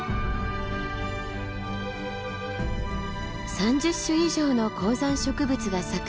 ３０種以上の高山植物が咲く